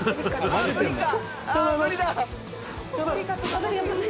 あっ無理か。